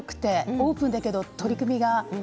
オープンだけど取り組みが。